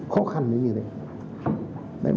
khó khăn như thế này